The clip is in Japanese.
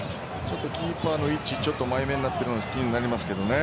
キーパーの位置ちょっと前目になっているのが気になりますけどね。